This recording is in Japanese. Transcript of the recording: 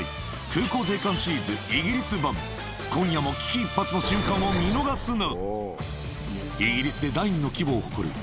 今夜も危機一髪の瞬間を見逃すな！